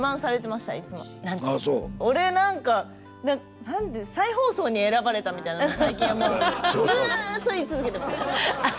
俺なんか「再放送に選ばれた」みたいなのを最近はもうずっと言い続けてます。